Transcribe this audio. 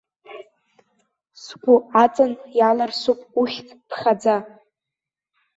Сгәы аҵан иаларсуп ухьӡ ԥхаӡа.